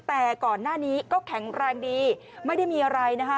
แต่ก่อนหน้านี้ก็แข็งแรงดีไม่ได้มีอะไรนะคะ